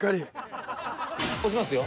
押しますよ